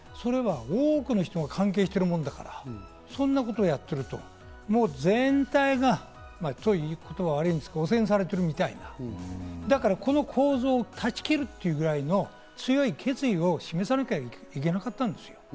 多くの人が関係してるもんだから、そんなことをやってると、もう全体がというと言い方は悪いけど汚染されてるみたいな、この構造を断ち切るぐらいの強い決意を示さなきゃいけなかったんですよ。